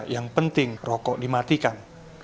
yang penting rokok dimatikan